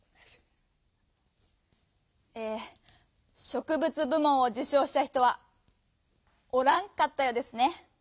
「植物部門」をじゅ賞した人は「おらん」かったようですね！